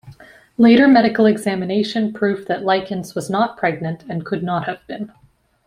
Later medical examination proved that Likens was not pregnant and could not have been.